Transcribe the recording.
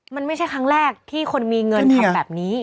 มันไม่ใช่ครั้งแรกที่คนมีเงินทำแบบนี้